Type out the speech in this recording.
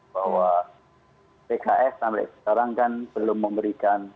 bahwa pks sampai sekarang kan belum memberikan